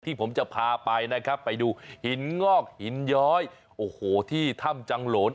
ผมจะพาไปนะครับไปดูหินงอกหินย้อยโอ้โหที่ถ้ำจังหลน